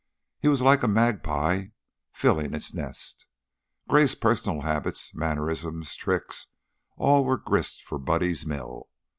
He was like a magpie filling its nest. Gray's personal habits, mannerisms, tricks all were grist for Buddy's mill.